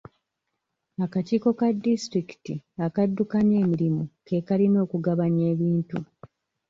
Akakiiko ka disitulikiti akaddukanya emirimu ke kalina okugabanya ebintu.